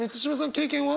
経験は？